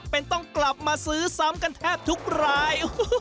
เป็นต้องกลับมาซื้อซ้ำกันแทบทุกราย